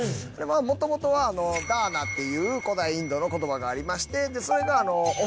もともとは「ダーナ」っていう古代インドの言葉がありましてそれが。